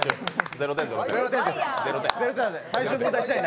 ０点です。